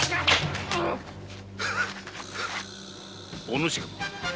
お主か。